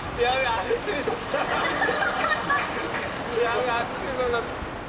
足つりそうになった。